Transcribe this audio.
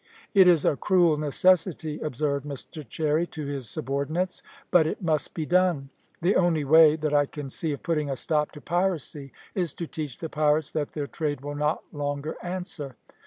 "It is a cruel necessity," observed Mr Cherry to his subordinates, "but it must be done. The only way that I can see of putting a stop to piracy is to teach the pirates that their trade will not longer answer."